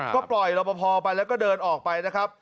ก็ปล่อยรอปภไปแล้วก็เดินออกไปนะครับ